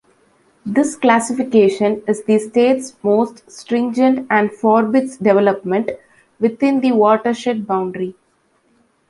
This classification is the state's most stringent and forbids development within the watershed boundary.